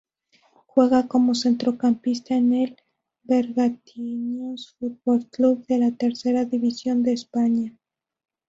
Juega como centrocampista en el Bergantiños Fútbol Club de la Tercera División de España.